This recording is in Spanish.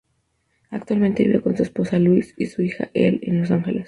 Actualmente vive con su esposa, Louise, y su hija, Elle, en Los Ángeles.